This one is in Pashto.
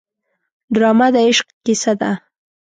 ډرامه د عشق کیسه ده